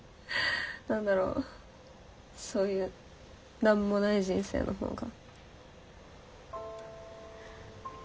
何だろうそういう何もない人生の方が。